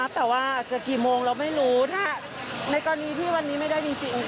แต่ว่าจะกี่โมงเราไม่รู้ถ้าในกรณีที่วันนี้ไม่ได้จริง